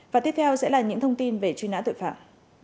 và tiếp theo sẽ là những thông tin về truy nã tội phạm